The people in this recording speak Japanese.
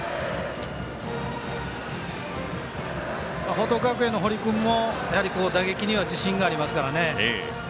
報徳学園の堀君も、打撃には自信がありますからね。